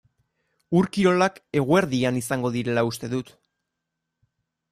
Ur-kirolak eguerdian izango direla uste dut.